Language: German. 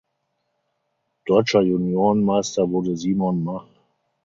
Deutscher Juniorenmeister wurde Simon Mach.